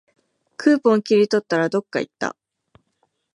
クーポン切り取ったら、どっかいった